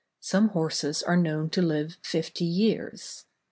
Some horses are known to live fifty years.